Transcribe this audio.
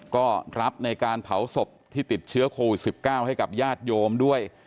ก็รับในการเผาศพที่ติดเชื้อโควิด๑๙ให้กับญาติโยมด้วย